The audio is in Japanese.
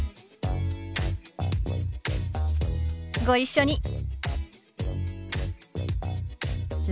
ご一緒に。